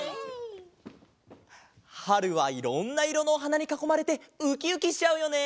はるはいろんないろのおはなにかこまれてウキウキしちゃうよね。